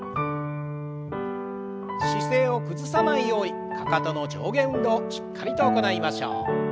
姿勢を崩さないようにかかとの上下運動しっかりと行いましょう。